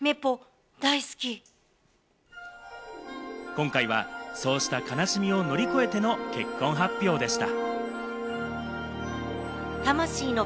今回は、そうした悲しみを乗り越えての結婚発表でした。